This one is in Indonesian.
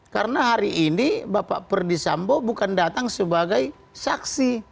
karena hari ini bapak perdisambu bukan datang sebagai saksi